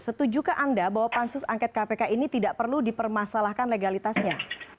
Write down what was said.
setujukah anda bahwa pansus angket kpk ini tidak perlu dipermasalahkan legalitasnya